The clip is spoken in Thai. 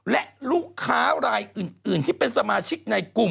และลูกค้ารายอื่นที่เป็นสมาชิกในกลุ่ม